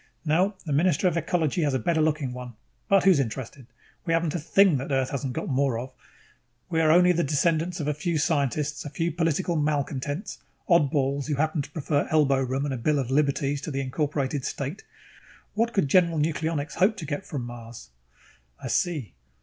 No, the Minister of Ecology has a better looking one. But who's interested? We haven't a thing that Earth hasn't got more of. We're only the descendants of a few scientists, a few political malcontents, oddballs who happen to prefer elbow room and a bill of liberties to the incorporated state what could General Nucleonics hope to get from Mars?" "I see.